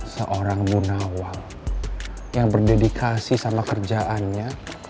seorang ibu nawal yang berdedikasi sama kerjaannya